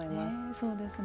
そうですね。